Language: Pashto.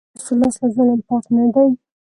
ایا ستاسو لاس له ظلم پاک نه دی؟